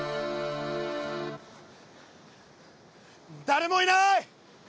誰もいない！